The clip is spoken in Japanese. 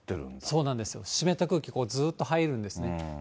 そうなんです、湿った空気、ずっと入るんですね。